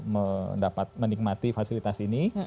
mendapat menikmati fasilitas ini